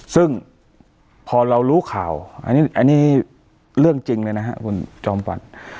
ซึ่งพอเรารู้ข่าวอันนี้เรื่องจริงเลยนะครับคุณจอมขวัญ